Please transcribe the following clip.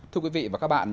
thưa quý vị và các bạn